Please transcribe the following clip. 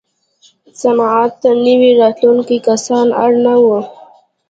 صنعت ته نوي راتلونکي کسان اړ نه وو.